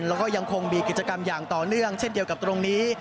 แล้วก็ยังคงมีกิจกรรมอย่างต่อเนื่องเช่นเดียวกับตรงนี้